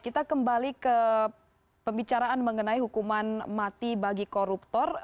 kita kembali ke pembicaraan mengenai hukuman mati bagi koruptor